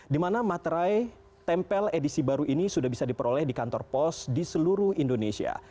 di mana materai tempel edisi baru ini sudah bisa diperoleh di kantor pos di seluruh indonesia